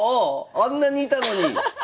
あんなにいたのに！